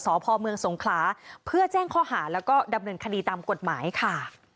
สพเมืองสงขลาเพื่อแจ้งข้อหาแล้วก็ดำเนินคดีตามกฎหมายค่ะ